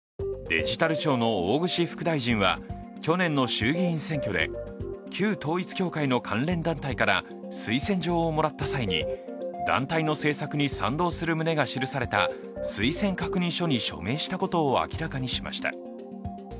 デジタル庁の大串副大臣は去年の衆議院選挙で旧統一教会の関連団体から推薦状をもらった際に団体の政策に賛同する旨が記された推薦確認書に署名したことを明らかにしました。